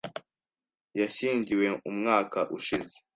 Yashyingiwe umwaka ushize.